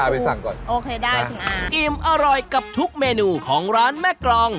โอเคได้คุณอ่าอิ่มอร่อยกับทุกเมนูของร้านแม่กรอง